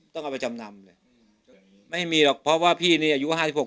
ต้องเอาไปจำนำเลยไม่มีหรอกเพราะว่าพี่นี่อายุห้าสิบหก